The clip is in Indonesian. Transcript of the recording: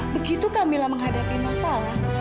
begitu kamilah menghadapi masalah